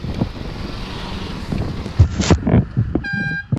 حرص او تمي وو تر دامه راوستلی